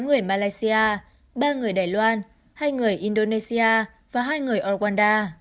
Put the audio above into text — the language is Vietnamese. tám người malaysia ba người đài loan hai người indonesia và hai người orwanda